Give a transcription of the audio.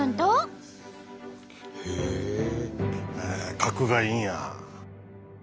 角がいいんや。